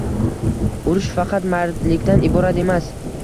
Urush faqat mardlikdan iborat emas